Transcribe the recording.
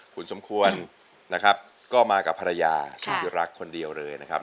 คุณสมควรนะครับก็มากับภรรยาที่รักคนเดียวเลยนะครับ